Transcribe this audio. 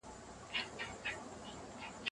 هغه د لسو بجو په شاوخوا کې د کړکۍ مخې ته ودرېد.